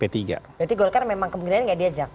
berarti golkar memang kemungkinan tidak diajak